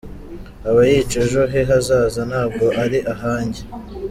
Aba yica ejo he hazaza ntabwo ari ahanjye.